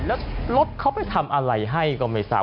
แล้วรถเขาไปทำอะไรให้ก็ไม่ทราบ